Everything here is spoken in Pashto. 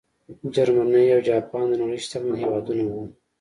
جرمني او جاپان د نړۍ شتمن هېوادونه وو.